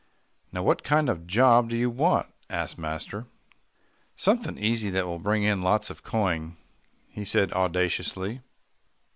"Now, what kind of a job do you want?" asked master. "Somethin' easy that will bring in lots of coin," he said audaciously.